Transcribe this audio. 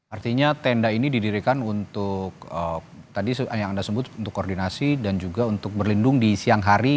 artinya tenda ini didirikan untuk tadi yang anda sebut untuk koordinasi dan juga untuk berlindung di siang hari